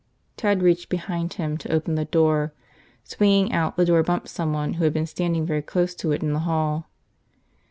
Ted reached behind him to open the door. Swinging out, the door bumped someone who had been standing very close to it in the hall.